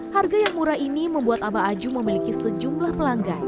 harga yang murah ini membuat abah aju memiliki sejumlah pelanggan